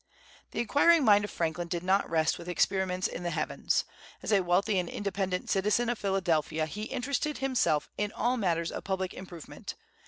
The inquiring mind of Franklin did not rest with experiments in the heavens. As a wealthy and independent citizen of Philadelphia he interested himself in all matters of public improvement.